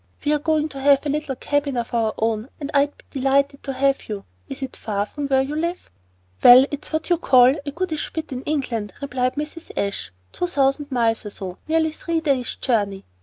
We're going to have a little cabin of our own, and I'd be delighted to have you. Is it far from where you live?" "Well, it's what you would call 'a goodish bit' in England," replied Mrs. Ashe, "two thousand miles or so, nearly three days' journey.